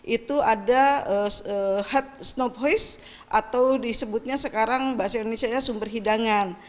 itu ada head snow poise atau disebutnya sekarang bahasa indonesia sumber hidangan